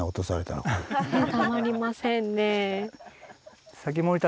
たまりませんねえ。